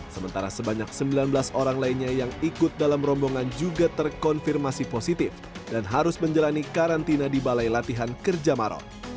sementara sebanyak sembilan belas orang lainnya yang ikut dalam rombongan juga terkonfirmasi positif dan harus menjalani karantina di balai latihan kerja maron